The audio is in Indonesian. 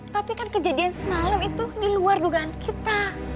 tapi kan kejadian semalam itu di luar dugaan kita